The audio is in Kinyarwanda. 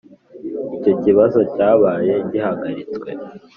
Icyo kibazo cyabaye gihagaritswe